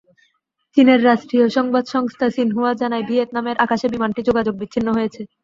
চীনের রাষ্ট্রীয় সংবাদ সংস্থা সিনহুয়া জানায়, ভিয়েতনামের আকাশে বিমানটি যোগাযোগ বিচ্ছিন্ন হয়েছে।